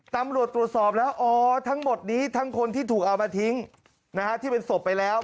ตำรวจตรวจสอบแล้วอ๋อทั้งหมดนี้ทั้งคนที่ถูกเอามาทิ้งที่เป็นศพไปแล้ว